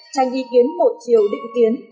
tránh ý kiến một chiều định tiến